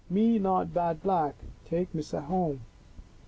Me not bad Black. Take Missa home."